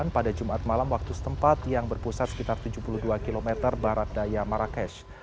pada jumat malam waktu setempat yang berpusat sekitar tujuh puluh dua km barat daya marrakesh